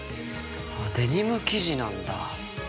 デニム生地なんだ。